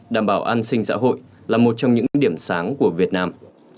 đảm bảo an sinh xã hội là một trong những điểm sáng của việt nam